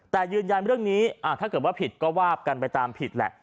แต่ยืนยันเรื่องนี้ถ้าเกิดว่าผิดก็ว่ากันไปตามผิดแหละ